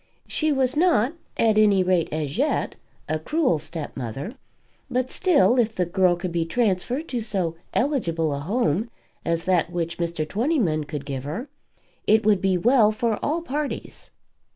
She was not, at any rate as yet, a cruel stepmother; but still, if the girl could be transferred to so eligible a home as that which Mr. Twentyman could give her, it would be well for all parties.